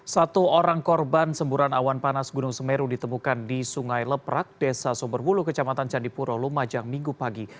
satu orang korban semburan awan panas gunung semeru ditemukan di sungai leprak desa sumberwulu kecamatan candipuro lumajang minggu pagi